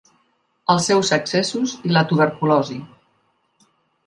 Els seus excessos i la tuberculosi.